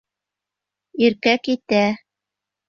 Иркә китә.